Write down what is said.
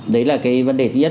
đấy là cái vấn đề thứ nhất